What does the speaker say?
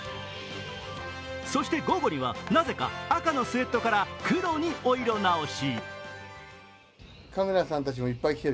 そして午後には、なぜか赤のスエットから黒にお色直し。